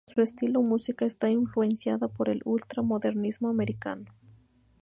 Su estilo musica está influenciada por el ultra-modernismo americano.